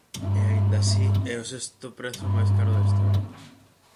E aínda así, é o sexto prezo máis caro da historia.